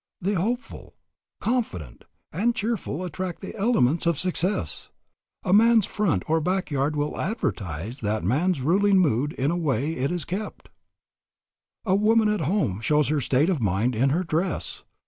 The hopeful, confident, and cheerful attract the elements of success. A man's front or back yard will advertise that man's ruling mood in the way it is kept. A woman at home shows her state of mind in her dress.